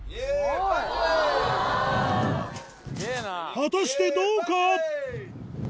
・果たしてどうか？